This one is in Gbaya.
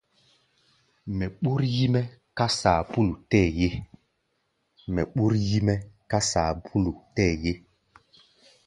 Mɛ ɓúr yí-mɛ́ ká saapúlu tɛɛ́ ye.